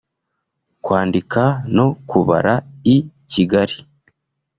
kwandika no kubara i Kigali;